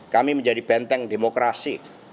kami menjadi benteng demokrasi